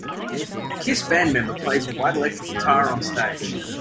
A KISS band member plays a white electric guitar on stage.